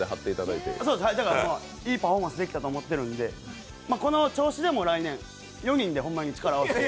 いいパフォーマンスができたと思ってますんでこの調子でもう来年、４人で力を合わせて。